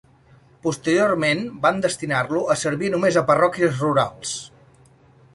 Posteriorment, van destinar-lo a servir només a parròquies rurals.